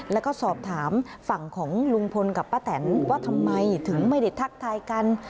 แล้วก็สอบถามฝั่งของลุงพลกับป้าแตนว่าทำไมถึงไม่ได้ทักทายกัน